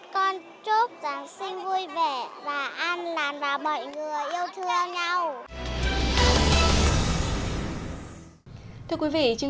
con chúc giáng sinh vui vẻ